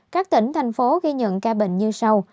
các tỉnh thành phố ghi nhận ca bệnh như sau